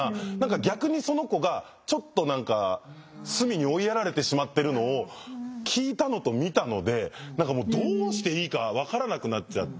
逆にその子がちょっと何か隅に追いやられてしまってるのを聞いたのと見たので何かもうどうしていいか分からなくなっちゃって。